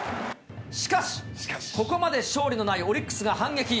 しかし、ここまで勝利のないオリックスが反撃。